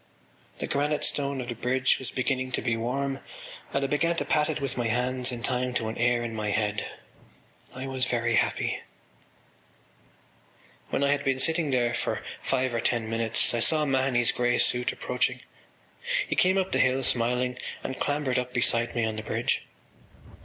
The granite stone of the bridge was beginning to be warm and I began to pat it with my hands in time to an air in my head. I was very happy. When I had been sitting there for five or ten minutes I saw Mahony’s grey suit approaching. He came up the hill, smiling, and clambered up beside me on the bridge.